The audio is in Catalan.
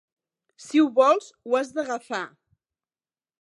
Si ho vols, ho has d'agafar.